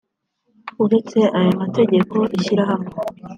uretse aya mategeko ishyirahamwe